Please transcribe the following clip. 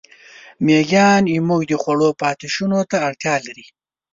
مېږیان زموږ د خوړو پاتېشونو ته اړتیا لري.